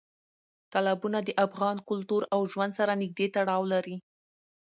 تالابونه د افغان کلتور او ژوند سره نږدې تړاو لري.